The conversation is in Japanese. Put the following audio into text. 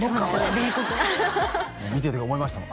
冷酷な見てて思いましたもん